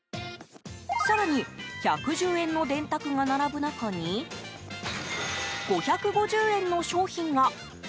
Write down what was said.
更に、１１０円の電卓が並ぶ中に５５０円の商品が。